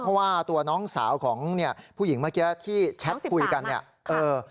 เพราะว่าตัวน้องสาวของเนี่ยผู้หญิงเมื่อกี้ที่แชทคุยกันเนี่ยเออ